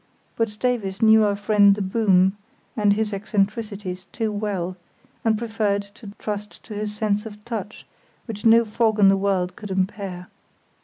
But Davies knew our friend the "boom" and his eccentricities too well; and preferred to trust to his sense of touch, which no fog in the world could impair.